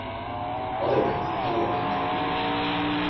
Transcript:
我哋平時收夜晚九點